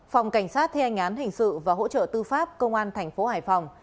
phòng cảnh sát theo ngán hình sự và hỗ trợ tư pháp công an tp hải phòng